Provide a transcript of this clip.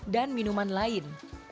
dan minuman lain